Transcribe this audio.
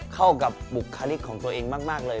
เข้ากับบุคลิกของตัวเองมากเลย